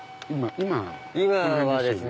今はですね